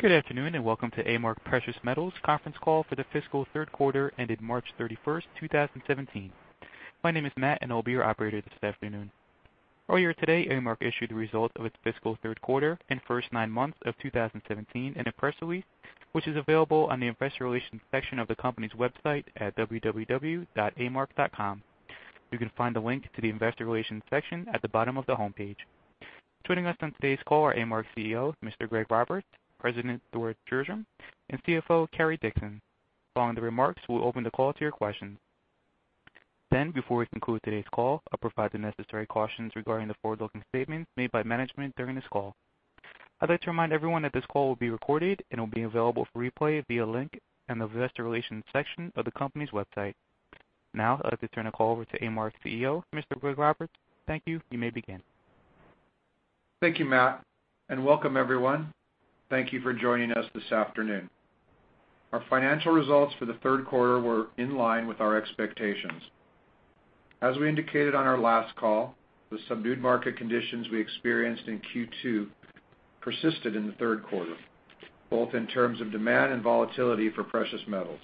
Good afternoon, and welcome to A-Mark Precious Metals conference call for the fiscal third quarter ended March 31st, 2017. My name is Matt, and I'll be your operator this afternoon. Earlier today, A-Mark issued the results of its fiscal third quarter and first nine months of 2017 in a press release, which is available on the Investor Relations section of the company's website at www.amark.com. You can find the link to the Investor Relations section at the bottom of the homepage. Joining us on today's call are A-Mark's CEO, Mr. Greg Roberts, President Thor Gjerdrum, and CFO Cary Dickson. Following the remarks, we'll open the call to your questions. Before we conclude today's call, I'll provide the necessary cautions regarding the forward-looking statements made by management during this call. I'd like to remind everyone that this call will be recorded and will be available for replay via link in the Investor Relations section of the company's website. I'd like to turn the call over to A-Mark's CEO, Mr. Greg Roberts. Thank you. You may begin. Thank you, Matt, welcome everyone. Thank you for joining us this afternoon. Our financial results for the third quarter were in line with our expectations. As we indicated on our last call, the subdued market conditions we experienced in Q2 persisted in the third quarter, both in terms of demand and volatility for precious metals.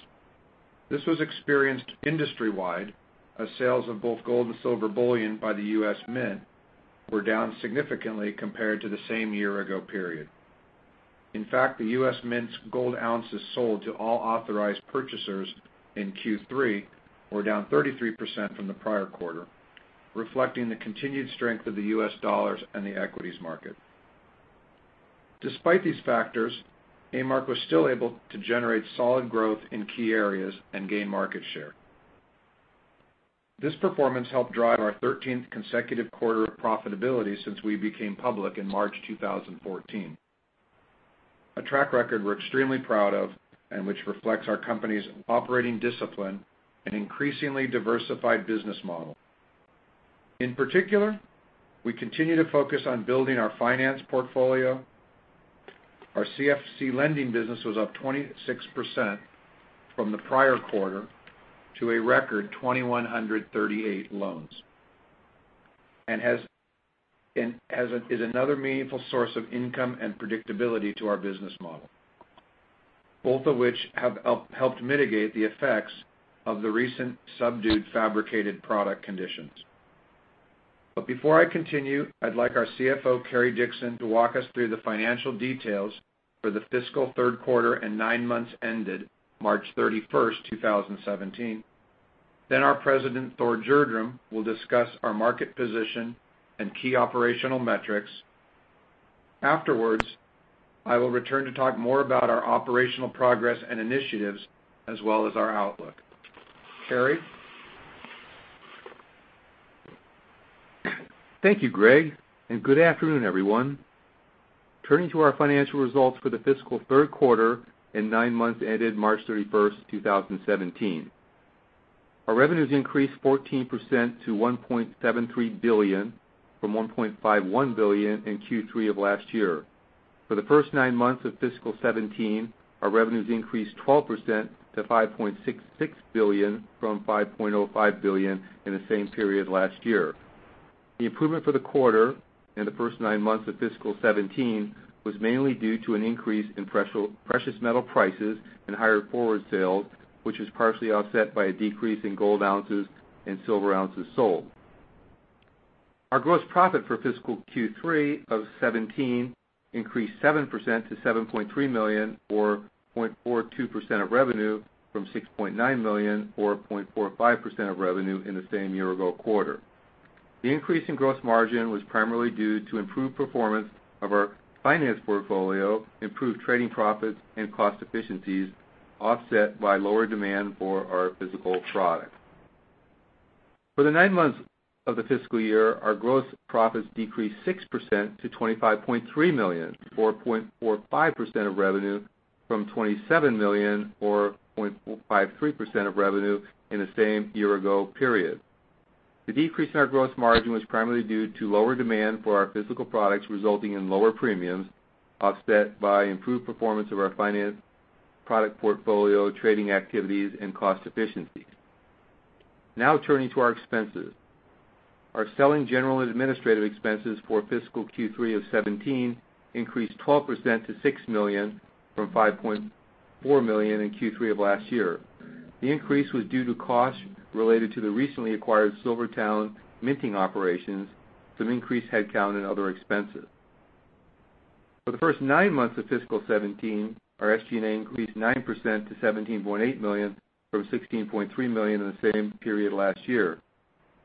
This was experienced industry-wide as sales of both gold and silver bullion by the U.S. Mint were down significantly compared to the same year ago period. In fact, the U.S. Mint's gold ounces sold to all authorized purchasers in Q3 were down 33% from the prior quarter, reflecting the continued strength of the U.S. dollar and the equities market. Despite these factors, A-Mark was still able to generate solid growth in key areas and gain market share. This performance helped drive our 13th consecutive quarter of profitability since we became public in March 2014. A track record we're extremely proud of, which reflects our company's operating discipline and increasingly diversified business model. In particular, we continue to focus on building our finance portfolio. Our CFC lending business was up 26% from the prior quarter to a record 2,138 loans and is another meaningful source of income and predictability to our business model, both of which have helped mitigate the effects of the recent subdued fabricated product conditions. Before I continue, I'd like our CFO, Cary Dickson, to walk us through the financial details for the fiscal third quarter and nine months ended March 31st, 2017. Our President, Thor Gjerdrum, will discuss our market position and key operational metrics. Afterwards, I will return to talk more about our operational progress and initiatives, as well as our outlook. Cary? Thank you, Greg, and good afternoon, everyone. Turning to our financial results for the fiscal third quarter and nine months ended March 31st, 2017. Our revenues increased 14% to $1.73 billion from $1.51 billion in Q3 of last year. For the first nine months of fiscal 2017, our revenues increased 12% to $5.66 billion from $5.05 billion in the same period last year. The improvement for the quarter and the first nine months of fiscal 2017 was mainly due to an increase in precious metal prices and higher forward sales, which was partially offset by a decrease in gold ounces and silver ounces sold. Our gross profit for fiscal Q3 of 2017 increased 7% to $7.3 million, or 0.42% of revenue from $6.9 million, or 0.45% of revenue in the same year-ago quarter. The increase in gross margin was primarily due to improved performance of our finance portfolio, improved trading profits, and cost efficiencies offset by lower demand for our physical product. For the nine months of the fiscal year, our gross profits decreased 6% to $25.3 million or 0.45% of revenue from $27 million or 0.53% of revenue in the same year-ago period. The decrease in our gross margin was primarily due to lower demand for our physical products, resulting in lower premiums offset by improved performance of our finance product portfolio, trading activities, and cost efficiencies. Turning to our expenses. Our selling, general, and administrative expenses for fiscal Q3 of 2017 increased 12% to $6 million from $5.4 million in Q3 of last year. The increase was due to costs related to the recently acquired SilverTowne Mint operations, some increased headcount, and other expenses. For the first nine months of fiscal 2017, our SG&A increased 9% to $17.8 million from $16.3 million in the same period last year.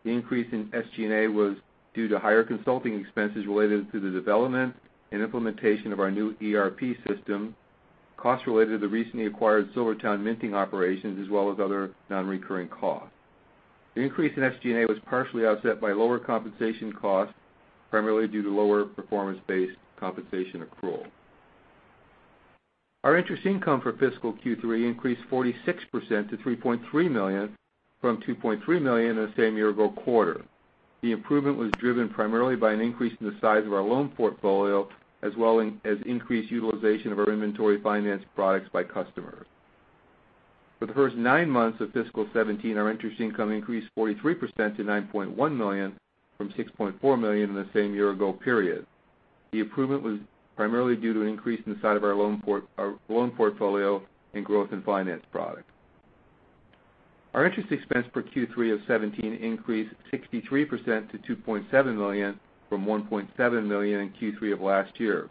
The increase in SG&A was due to higher consulting expenses related to the development and implementation of our new ERP system, costs related to the recently acquired SilverTowne Mint operations, as well as other non-recurring costs. The increase in SG&A was partially offset by lower compensation costs, primarily due to lower performance-based compensation accrual. Our interest income for fiscal Q3 increased 46% to $3.3 million from $2.3 million in the same year-ago quarter. The improvement was driven primarily by an increase in the size of our loan portfolio, as well as increased utilization of our inventory finance products by customers. For the first nine months of fiscal 2017, our interest income increased 43% to $9.1 million from $6.4 million in the same year-ago period. The improvement was primarily due to an increase in the size of our loan portfolio and growth in finance products. Our interest expense for Q3 of 2017 increased 63% to $2.7 million from $1.7 million in Q3 of last year.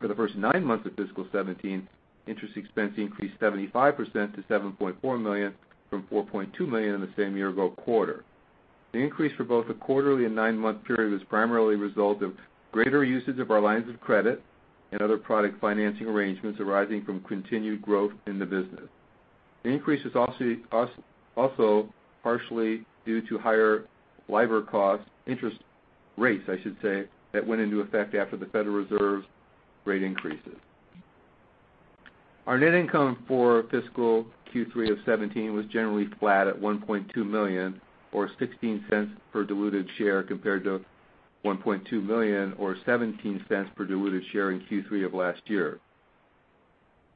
For the first nine months of fiscal 2017, interest expense increased 75% to $7.4 million from $4.2 million in the same year-ago quarter. The increase for both the quarterly and nine-month period was primarily a result of greater usage of our lines of credit and other product financing arrangements arising from continued growth in the business. The increase is also partially due to higher LIBOR cost, interest rates, I should say, that went into effect after the Federal Reserve's rate increases. Our net income for fiscal Q3 of 2017 was generally flat at $1.2 million or $0.16 per diluted share compared to $1.2 million or $0.17 per diluted share in Q3 of last year.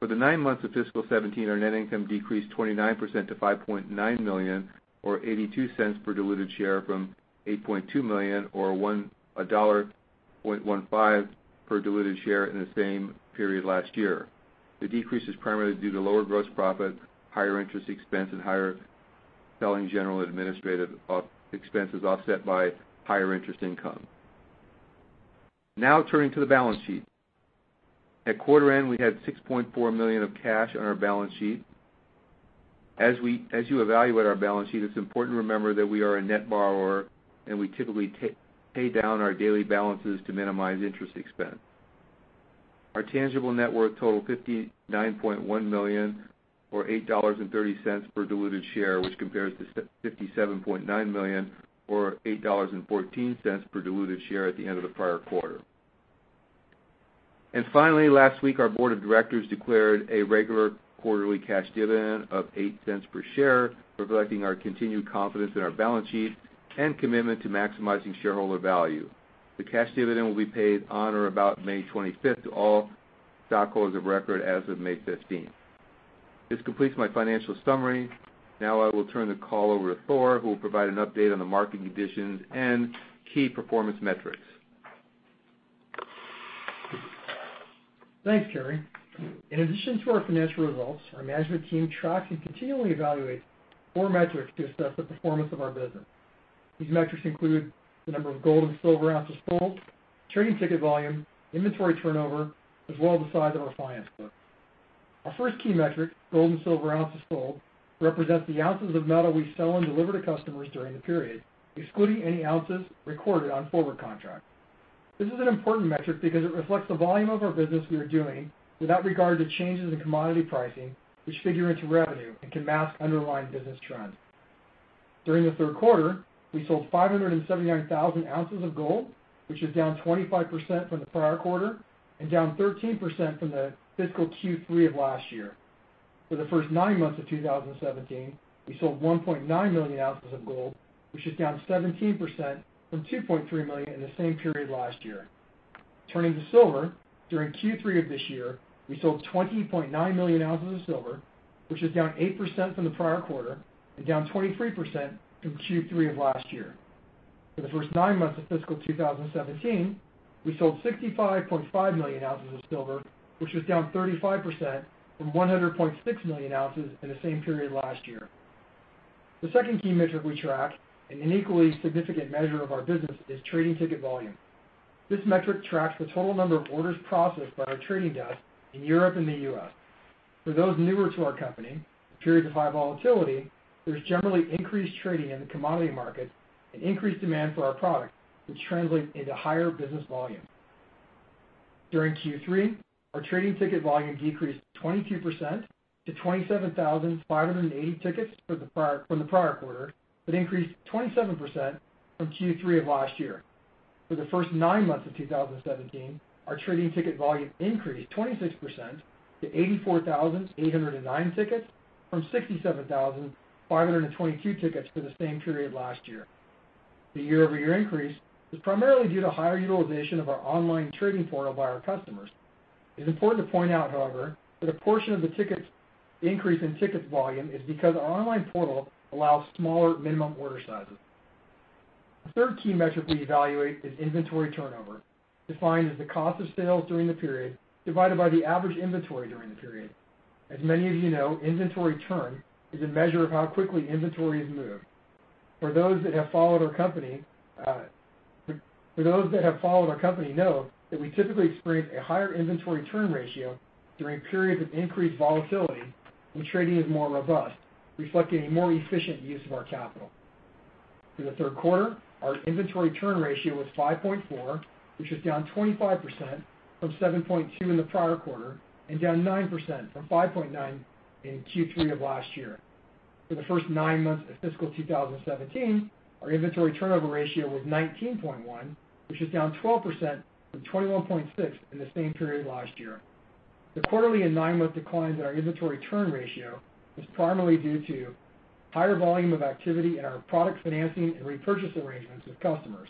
For the nine months of fiscal 2017, our net income decreased 29% to $5.9 million or $0.82 per diluted share from $8.2 million or $1.15 per diluted share in the same period last year. The decrease is primarily due to lower gross profit, higher interest expense, and higher selling general administrative expenses offset by higher interest income. Turning to the balance sheet. At quarter end, we had $6.4 million of cash on our balance sheet. As you evaluate our balance sheet, it's important to remember that we are a net borrower, and we typically pay down our daily balances to minimize interest expense. Our tangible net worth totaled $59.1 million, or $8.30 per diluted share, which compares to $57.9 million or $8.14 per diluted share at the end of the prior quarter. Finally, last week, our board of directors declared a regular quarterly cash dividend of $0.08 per share, reflecting our continued confidence in our balance sheet and commitment to maximizing shareholder value. The cash dividend will be paid on or about May 25th to all stockholders of record as of May 15th. This completes my financial summary. I will turn the call over to Thor, who will provide an update on the market conditions and key performance metrics. Thanks, Cary Dickson. In addition to our financial results, our management team tracks and continually evaluates four metrics to assess the performance of our business. These metrics include the number of gold and silver ounces sold, trading ticket volume, inventory turnover, as well as the size of our finance book. Our first key metric, gold and silver ounces sold, represents the ounces of metal we sell and deliver to customers during the period, excluding any ounces recorded on forward contracts. This is an important metric because it reflects the volume of our business we are doing without regard to changes in commodity pricing, which figure into revenue and can mask underlying business trends. During the third quarter, we sold 579,000 ounces of gold, which is down 25% from the prior quarter and down 13% from the fiscal Q3 of last year. For the first nine months of 2017, we sold 1.9 million ounces of gold, which is down 17% from 2.3 million in the same period last year. Turning to silver, during Q3 of this year, we sold 20.9 million ounces of silver, which is down 8% from the prior quarter and down 23% from Q3 of last year. For the first nine months of fiscal 2017, we sold 65.5 million ounces of silver, which was down 35% from 100.6 million ounces in the same period last year. The second key metric we track, and an equally significant measure of our business, is trading ticket volume. This metric tracks the total number of orders processed by our trading desk in Europe and the U.S. For those newer to our company, in periods of high volatility, there's generally increased trading in the commodity market and increased demand for our product, which translates into higher business volume. During Q3, our trading ticket volume decreased 22% to 27,580 tickets from the prior quarter, but increased 27% from Q3 of last year. For the first nine months of 2017, our trading ticket volume increased 26% to 84,809 tickets from 67,522 tickets for the same period last year. The year-over-year increase is primarily due to higher utilization of our online trading portal by our customers. It's important to point out, however, that a portion of the increase in tickets volume is because our online portal allows smaller minimum order sizes. The third key metric we evaluate is inventory turnover, defined as the cost of sales during the period divided by the average inventory during the period. As many of you know, inventory turn is a measure of how quickly inventory is moved. For those that have followed our company know that we typically experience a higher inventory turn ratio during periods of increased volatility when trading is more robust, reflecting a more efficient use of our capital. Through the third quarter, our inventory turn ratio was 5.4, which is down 25% from 7.2 in the prior quarter and down 9% from 5.9 in Q3 of last year. For the first nine months of fiscal 2017, our inventory turnover ratio was 19.1, which is down 12% from 21.6 in the same period last year. The quarterly and nine-month declines in our inventory turn ratio was primarily due to higher volume of activity in our product financing and repurchase arrangements with customers.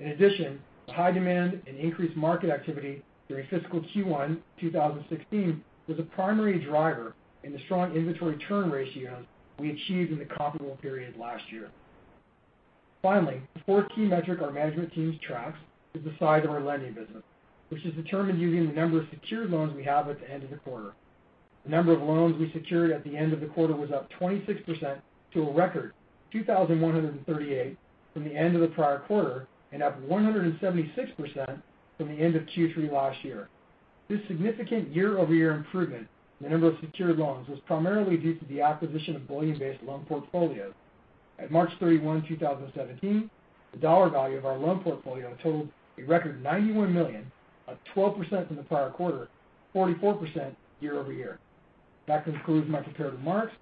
In addition, the high demand and increased market activity during fiscal Q1 2016 was a primary driver in the strong inventory turn ratios we achieved in the comparable period last year. Finally, the fourth key metric our management team tracks is the size of our lending business, which is determined using the number of secured loans we have at the end of the quarter. The number of loans we secured at the end of the quarter was up 26% to a record 2,138 from the end of the prior quarter, and up 176% from the end of Q3 last year. This significant year-over-year improvement in the number of secured loans was primarily due to the acquisition of bullion-based loan portfolios. At March 31, 2017, the dollar value of our loan portfolio totaled a record $91 million, up 12% from the prior quarter, 44% year-over-year. That concludes my prepared remarks.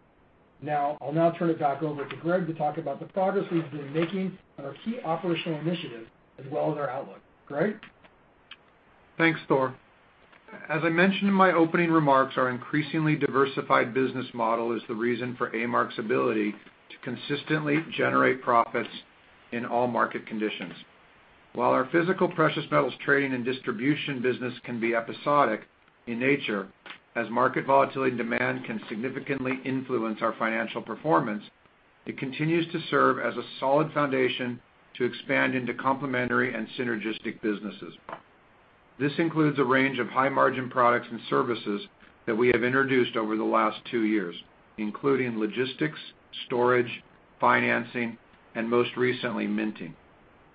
Now, I'll now turn it back over to Greg to talk about the progress we've been making on our key operational initiatives, as well as our outlook. Greg? Thanks, Thor. As I mentioned in my opening remarks, our increasingly diversified business model is the reason for A-Mark's ability to consistently generate profits in all market conditions. While our physical precious metals trading and distribution business can be episodic in nature, as market volatility and demand can significantly influence our financial performance, it continues to serve as a solid foundation to expand into complementary and synergistic businesses. This includes a range of high-margin products and services that we have introduced over the last two years, including logistics, storage, financing, and most recently, minting.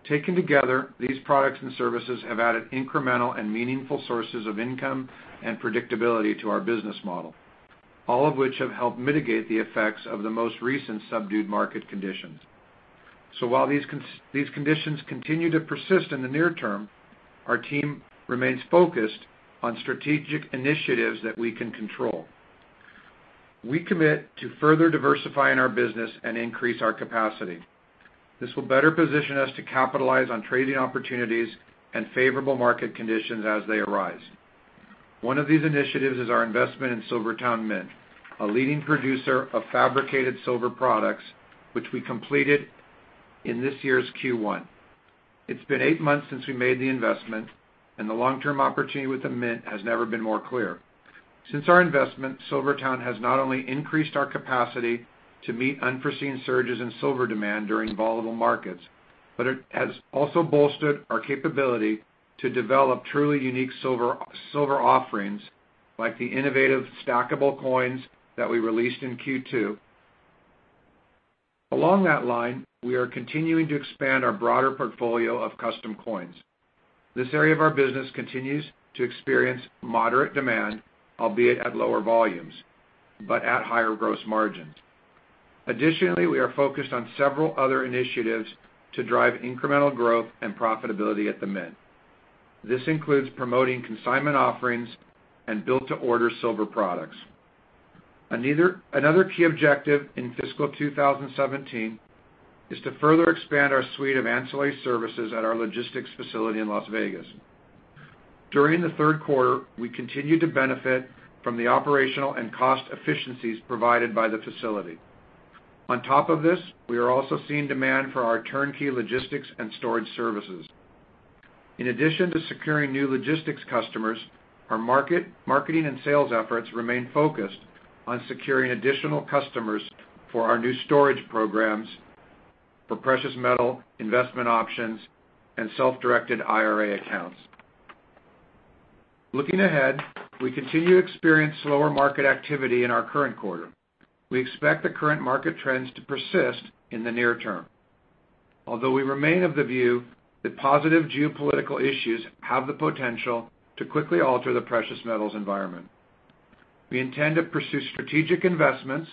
Taken together, these products and services have added incremental and meaningful sources of income and predictability to our business model, all of which have helped mitigate the effects of the most recent subdued market conditions. While these conditions continue to persist in the near term, our team remains focused on strategic initiatives that we can control. We commit to further diversifying our business and increase our capacity. This will better position us to capitalize on trading opportunities and favorable market conditions as they arise. One of these initiatives is our investment in SilverTowne Mint, a leading producer of fabricated silver products, which we completed in this year's Q1. It's been eight months since we made the investment, and the long-term opportunity with the Mint has never been more clear. Since our investment, SilverTowne has not only increased our capacity to meet unforeseen surges in silver demand during volatile markets, but it has also bolstered our capability to develop truly unique silver offerings, like the innovative stackable coins that we released in Q2. Along that line, we are continuing to expand our broader portfolio of custom coins. This area of our business continues to experience moderate demand, albeit at lower volumes, but at higher gross margins. Additionally, we are focused on several other initiatives to drive incremental growth and profitability at the Mint. This includes promoting consignment offerings and built-to-order silver products. Another key objective in fiscal 2017 is to further expand our suite of ancillary services at our logistics facility in Las Vegas. During the third quarter, we continued to benefit from the operational and cost efficiencies provided by the facility. On top of this, we are also seeing demand for our turnkey logistics and storage services. In addition to securing new logistics customers, our marketing and sales efforts remain focused on securing additional customers for our new storage programs for precious metal investment options and self-directed IRA accounts. Looking ahead, we continue to experience slower market activity in our current quarter. We expect the current market trends to persist in the near term. Although we remain of the view that positive geopolitical issues have the potential to quickly alter the precious metals environment, we intend to pursue strategic investments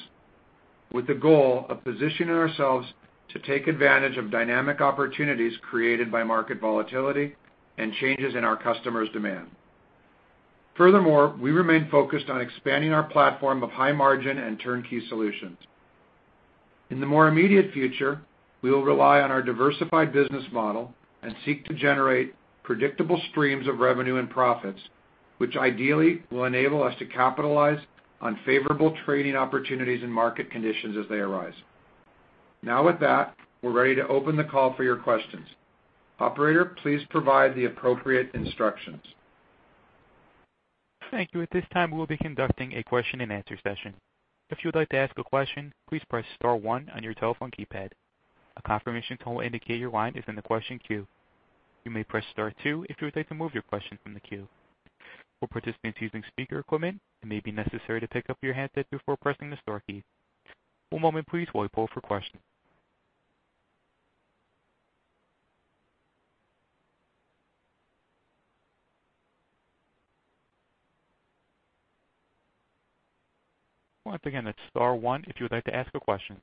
with the goal of positioning ourselves to take advantage of dynamic opportunities created by market volatility and changes in our customers' demand. Furthermore, we remain focused on expanding our platform of high-margin and turnkey solutions. In the more immediate future, we will rely on our diversified business model and seek to generate predictable streams of revenue and profits, which ideally will enable us to capitalize on favorable trading opportunities and market conditions as they arise. Now with that, we're ready to open the call for your questions. Operator, please provide the appropriate instructions. Thank you. At this time, we'll be conducting a question and answer session. If you would like to ask a question, please press star one on your telephone keypad. A confirmation tone will indicate your line is in the question queue. You may press star two if you would like to remove your question from the queue. For participants using speaker equipment, it may be necessary to pick up your handset before pressing the star key. One moment please while we poll for questions. Once again, that's star one if you would like to ask a question.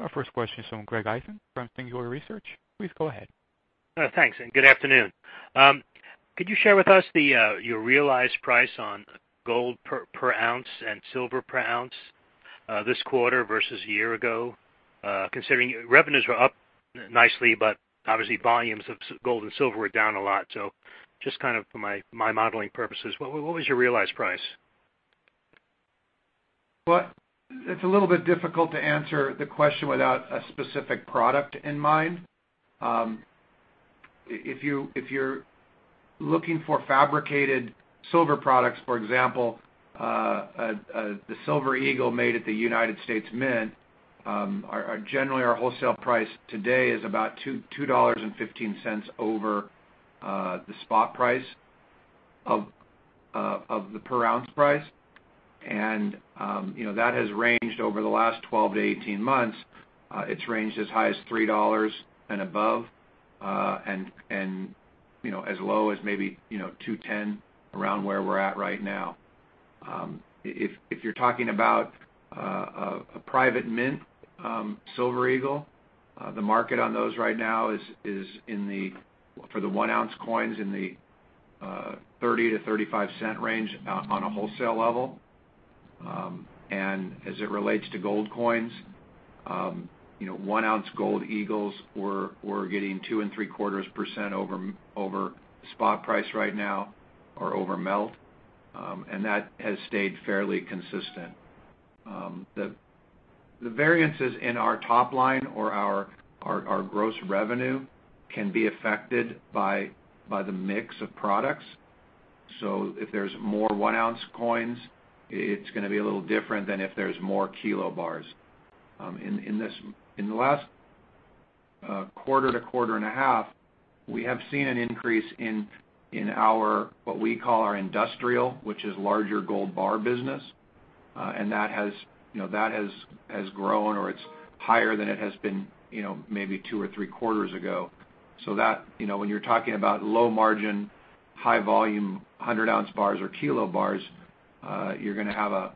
Our first question is from Greg Eisen from Singular Research. Please go ahead. Thanks, good afternoon. Could you share with us your realized price on gold per ounce and silver per ounce this quarter versus a year ago? Considering revenues were up nicely, obviously volumes of gold and silver were down a lot. Just for my modeling purposes, what was your realized price? Well, it's a little bit difficult to answer the question without a specific product in mind. If you're looking for fabricated silver products, for example, the Silver Eagle made at the United States Mint, generally our wholesale price today is about $2.15 over the spot price of the per-ounce price. That has ranged over the last 12 to 18 months. It's ranged as high as $3 and above, and as low as maybe, $2.10, around where we're at right now. If you're talking about a private mint Silver Eagle, the market on those right now is, for the one-ounce coins, in the $0.30-$0.35 range on a wholesale level. As it relates to gold coins, one-ounce Gold Eagles, we're getting 2.75% over spot price right now or over melt. That has stayed fairly consistent. The variances in our top line or our gross revenue can be affected by the mix of products. If there's more one-ounce coins, it's going to be a little different than if there's more kilo bars. In the last quarter to quarter and a half, we have seen an increase in our, what we call our industrial, which is larger gold bar business. That has grown or it's higher than it has been maybe two or three quarters ago. When you're talking about low margin, high volume, 100-ounce bars or kilo bars, you're going to have a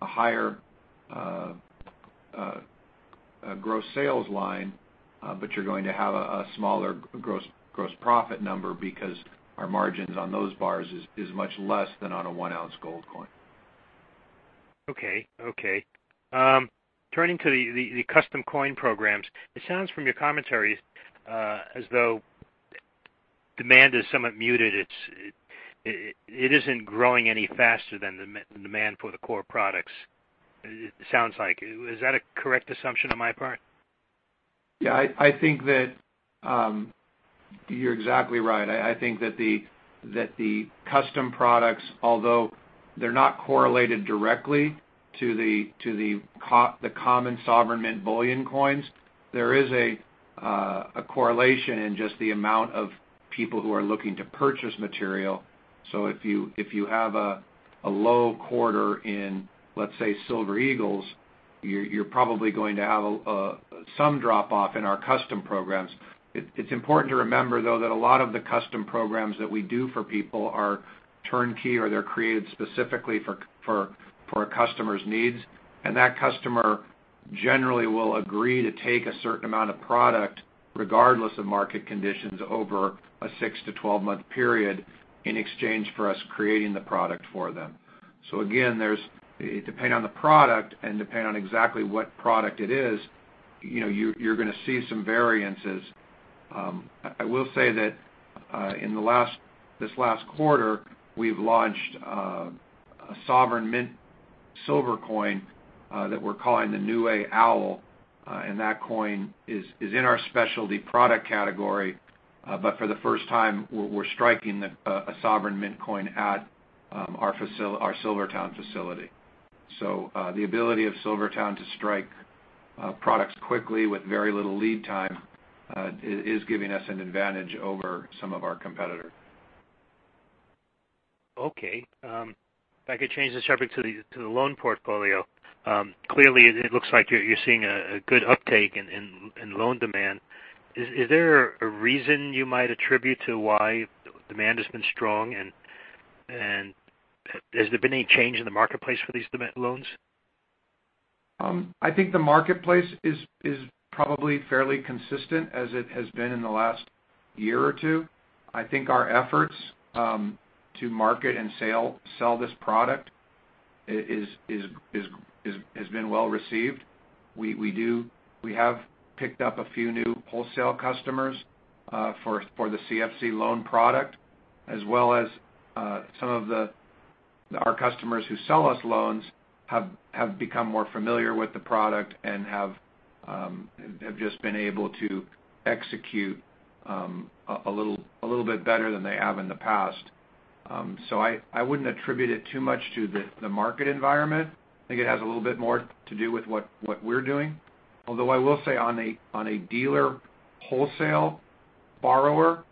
higher gross sales line. You're going to have a smaller gross profit number because our margins on those bars is much less than on a one-ounce gold coin. Okay. Turning to the custom coin programs, it sounds from your commentary as though demand is somewhat muted. It isn't growing any faster than the demand for the core products, it sounds like. Is that a correct assumption on my part? Yeah, I think that you're exactly right. I think that the custom products, although they're not correlated directly to the common sovereign mint bullion coins, there is a correlation in just the amount of people who are looking to purchase material. If you have a low quarter in, let's say, Silver Eagles, you're probably going to have some drop-off in our custom programs. It's important to remember, though, that a lot of the custom programs that we do for people are turnkey, or they're created specifically for a customer's needs. That customer generally will agree to take a certain amount of product, regardless of market conditions, over a six to 12-month period in exchange for us creating the product for them. Again, depending on the product and depending on exactly what product it is, you're going to see some variances. I will say that in this last quarter, we've launched a sovereign mint silver coin that we're calling the Niue Owl, that coin is in our specialty product category. For the first time, we're striking a sovereign mint coin at our SilverTowne facility. The ability of SilverTowne to strike products quickly with very little lead time is giving us an advantage over some of our competitors. Okay. If I could change the subject to the loan portfolio. Clearly, it looks like you're seeing a good uptake in loan demand. Is there a reason you might attribute to why demand has been strong, and has there been any change in the marketplace for these loans? I think the marketplace is probably fairly consistent as it has been in the last year or two. I think our efforts to market and sell this product has been well received. We have picked up a few new wholesale customers for the CFC loan product, as well as some of our customers who sell us loans have become more familiar with the product and have just been able to execute a little bit better than they have in the past. I wouldn't attribute it too much to the market environment. I think it has a little bit more to do with what we're doing. Although I will say on a dealer wholesale borrower,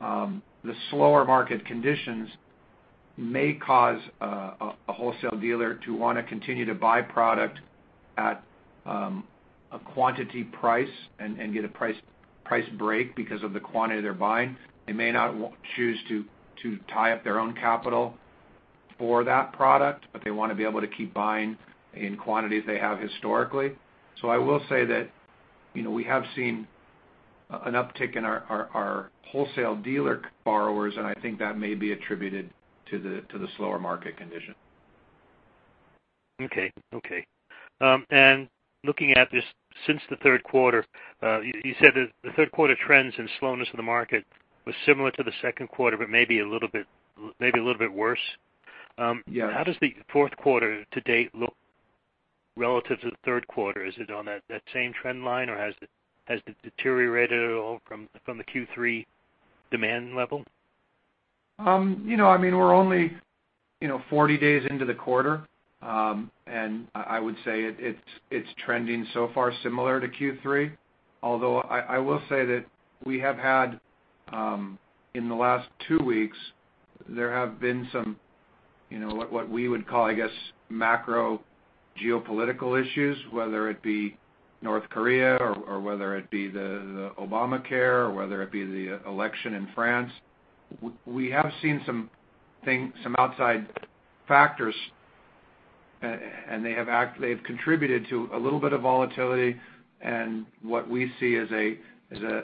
the slower market conditions may cause a wholesale dealer to want to continue to buy product at a quantity price and get a price break because of the quantity they're buying. They may not choose to tie up their own capital for that product, but they want to be able to keep buying in quantities they have historically. I will say that we have seen an uptick in our wholesale dealer borrowers, and I think that may be attributed to the slower market condition. Okay. Looking at this since the third quarter, you said that the third quarter trends and slowness of the market was similar to the second quarter, but maybe a little bit worse. Yes. How does the fourth quarter to date look relative to the third quarter? Is it on that same trend line, or has it deteriorated at all from the Q3 demand level? We're only 40 days into the quarter, I would say it's trending so far similar to Q3. I will say that we have had, in the last two weeks, there have been some, what we would call, I guess, macro geopolitical issues, whether it be North Korea or whether it be the Obamacare or whether it be the election in France. We have seen some outside factors, They've contributed to a little bit of volatility, what we see is an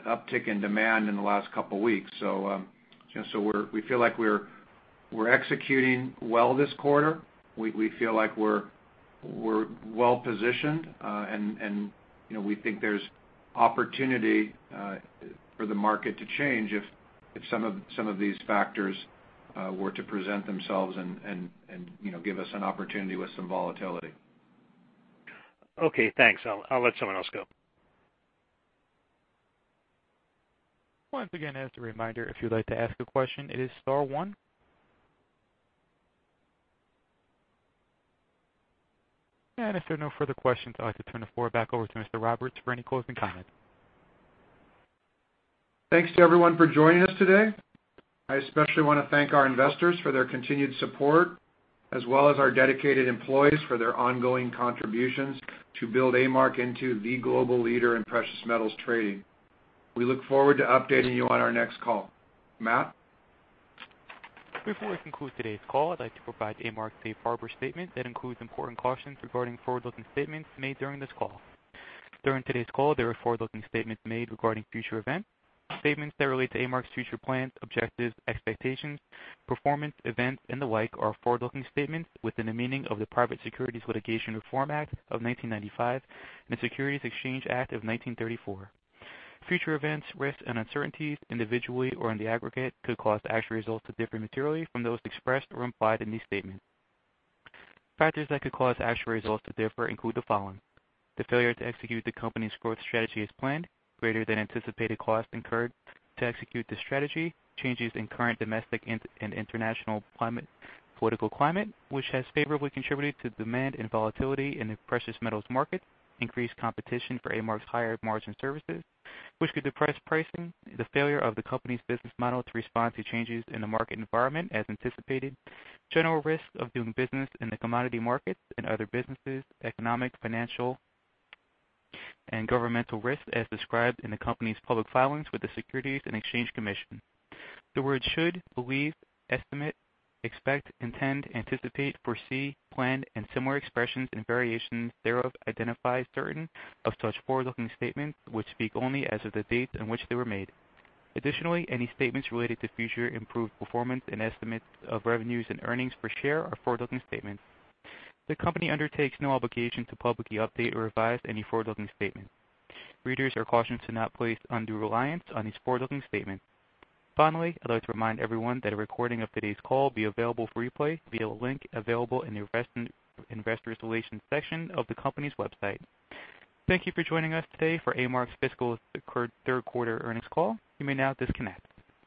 uptick in demand in the last couple of weeks. We feel like we're executing well this quarter. We feel like we're well-positioned, We think there's opportunity for the market to change if some of these factors were to present themselves and give us an opportunity with some volatility. Okay, thanks. I'll let someone else go. Once again, as a reminder, if you'd like to ask a question, it is star one. If there are no further questions, I'd like to turn the floor back over to Mr. Roberts for any closing comments. Thanks to everyone for joining us today. I especially want to thank our investors for their continued support, as well as our dedicated employees for their ongoing contributions to build A-Mark into the global leader in precious metals trading. We look forward to updating you on our next call. Matt? Before I conclude today's call, I'd like to provide A-Mark's safe harbor statement that includes important cautions regarding forward-looking statements made during this call. During today's call, there are forward-looking statements made regarding future events. Statements that relate to A-Mark's future plans, objectives, expectations, performance, events, and the like are forward-looking statements within the meaning of the Private Securities Litigation Reform Act of 1995 and the Securities Exchange Act of 1934. Future events, risks, and uncertainties, individually or in the aggregate, could cause actual results to differ materially from those expressed or implied in these statements. Factors that could cause actual results to differ include the following: The failure to execute the company's growth strategy as planned, greater than anticipated costs incurred to execute the strategy, changes in current domestic and international political climate, which has favorably contributed to demand and volatility in the precious metals market, increased competition for A-Mark's higher margin services, which could depress pricing, the failure of the company's business model to respond to changes in the market environment as anticipated, general risks of doing business in the commodity markets and other businesses, economic, financial, and governmental risks as described in the company's public filings with the Securities and Exchange Commission. The words should, believe, estimate, expect, intend, anticipate, foresee, plan, and similar expressions and variations thereof identify certain of such forward-looking statements, which speak only as of the dates on which they were made. Additionally, any statements related to future improved performance and estimates of revenues and earnings per share are forward-looking statements. The company undertakes no obligation to publicly update or revise any forward-looking statements. Readers are cautioned to not place undue reliance on these forward-looking statements. Finally, I'd like to remind everyone that a recording of today's call will be available for replay via a link available in the investor relations section of the company's website. Thank you for joining us today for A-Mark's fiscal third quarter earnings call. You may now disconnect.